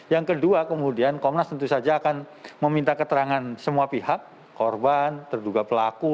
yang kedua kemudian komnas tentu saja akan meminta keterangan semua pihak korban terduga pelaku